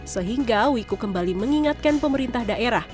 sehingga wiku kembali mengingatkan pemerintah daerah